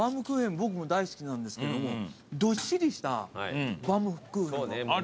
僕も大好きなんですけどもどっしりしたバウムクーヘン。